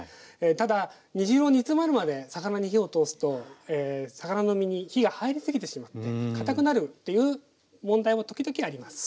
ただ煮汁を煮詰まるまで魚に火を通すと魚の身に火が入りすぎてしまって堅くなるっていう問題も時々あります。